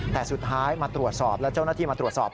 แต่สุดท้ายมาตรวจสอบแล้วเจ้าหน้าที่มาตรวจสอบ